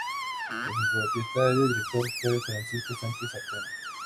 El propietario y director fue Francisco Sánchez-Arjona.